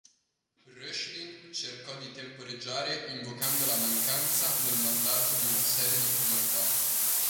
Reuchlin cercò di temporeggiare invocando la mancanza nel mandato di una serie di formalità.